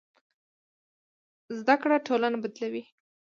زده کړه ټولنه بدلوي.